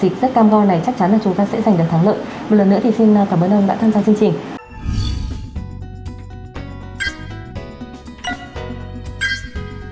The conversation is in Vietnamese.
thì rất cam go này chắc chắn là chúng ta sẽ giành được thắng lợi một lần nữa thì xin cảm ơn ông đã tham gia chương trình